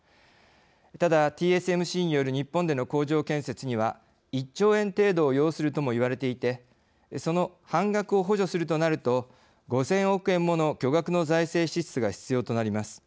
ただ、ＴＳＭＣによる日本での工場建設には１兆円程度を要するともいわれていてその半額を補助するとなると５０００億円もの巨額の財政支出が必要となります。